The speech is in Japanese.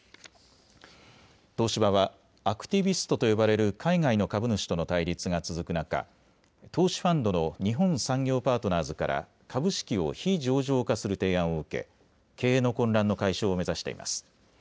東芝はアクティビストと呼ばれる海外の株主との対立が続く中、投資ファンドの日本産業パートナーズから株式を非上場化する提案を受け、経営の混乱の解消を目指しています。